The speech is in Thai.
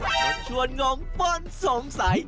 ชักชวนงงป้นสงสัย